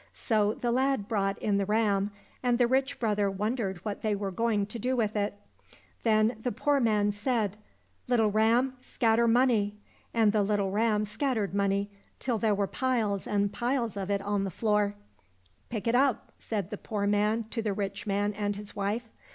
So the lad brought in the ram, and the rich brother wondered what they were going to do with it. Then the poor man said, " Little ram, scatter money !" And the little ram scattered money, till there were piles and piles of it on 42 THE STORY OF THE WIND the floor. " Pick it up !" said the poor man to the rich man and his wife.